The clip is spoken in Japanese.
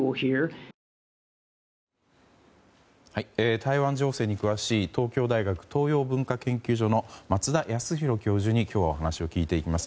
台湾情勢に詳しい東京大学東洋文化研究所の松田康博教授に今日はお話を聞いていきます。